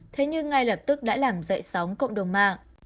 thế nhưng ngay lập tức đã làm dậy sóng cộng đồng mạng